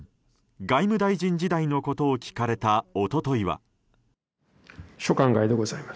外務大臣時代のことを聞かれた一昨日は。